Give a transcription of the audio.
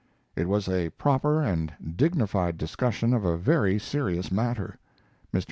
It was a proper and dignified discussion of a very serious matter. Mr.